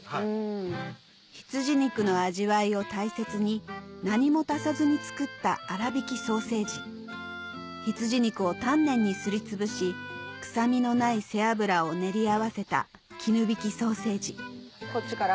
羊肉の味わいを大切に何も足さずに作った粗挽きソーセージ羊肉を丹念にすりつぶし臭みのない背脂を練り合わせた絹挽きソーセージこっちから？